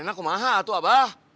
enak mah tuh abah